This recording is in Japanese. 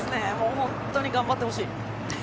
本当に頑張ってほしい。